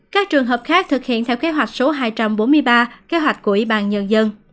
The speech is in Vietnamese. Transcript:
các trường hợp khác thực hiện theo kế hoạch số hai trăm bốn mươi ba kế hoạch của ủy ban nhân dân